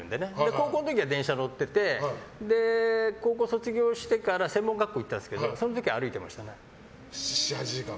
高校の時は電車に乗ってて高校卒業してから専門学校行ってたんですけど７８時間？